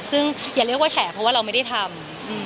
ซึ่งอย่าเรียกว่าแฉเพราะว่าเราไม่ได้ทำ